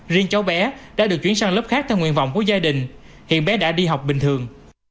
riêng cháu bé đã được chuyển sang lớp khác theo nguyện vọng của gia đình hiện bé đã đi học bình thường